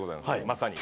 まさに。